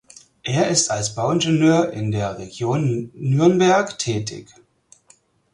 Er ist als Bauingenieur in der Region Nürnberg tätig.